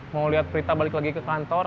mau lihat prita balik lagi ke kantor